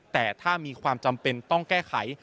แต่ถ้ามีความจำเป็นต้องแก้ไข